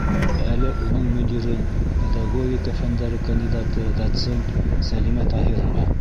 Әле уның мөдире — педагогика фәндәре кандидаты, доцент Сәлимә Таһирова.